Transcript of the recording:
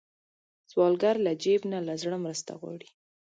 سوالګر له جیب نه، له زړه مرسته غواړي